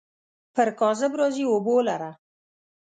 پر کاذب راځي اوبو لره.